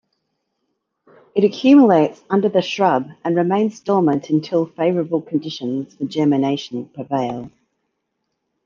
It accumulates under the shrub and remains dormant until favorable conditions for germination prevail.